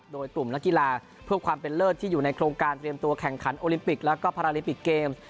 โดยกลุ่มนักกีฬาเพื่อความเป็นเลิศที่อยู่ในโครงการเตรียมตัวแข่งขันโอลิมปิกแล้วก็พาราลิปิกเกมส์